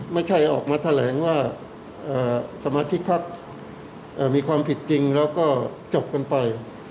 ไม่ใช่ออกมาแถลงว่าสมาชิกภักดิ์มีความผิดจริงแล้วก็จบกันไป